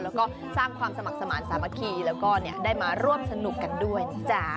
แล้วก็สร้างความสมัครสมาธิสามัคคีแล้วก็ได้มาร่วมสนุกกันด้วยนะจ๊ะ